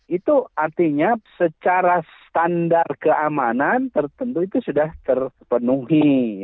itu artinya secara standar keamanan tertentu itu sudah terpenuhi